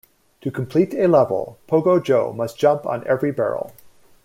To complete a level, Pogo Joe must jump on every barrel.